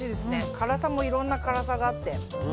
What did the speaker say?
辛さもいろんな辛さがあって。